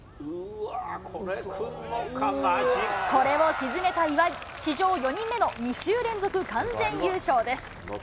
これを沈めた岩井、史上４人目の２週連続完全優勝です。